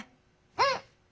うん！